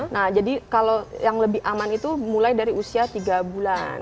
nah jadi kalau yang lebih aman itu mulai dari usia tiga bulan